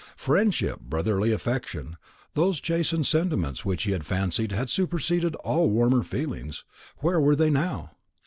Friendship, brotherly affection, those chastened sentiments which he had fancied had superseded all warmer feelings where were they now?